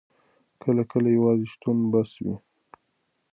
کله کله یوازې شتون بس وي.